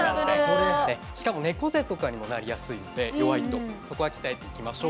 しかも、猫背とかにもなりやすいので鍛えていきましょう。